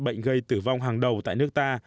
bệnh gây tử vong hàng đầu tại nước ta